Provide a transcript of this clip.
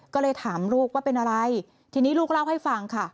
ก็เลยถามลูกว่าเป็นอะไรทีนี้ลูกเล่าให้ฟังค่ะ